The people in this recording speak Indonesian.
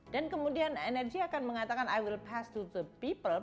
dan kemudian energi akan mengatakan i will pass to the people